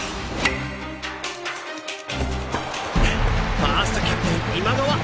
ファーストキャプテン今川。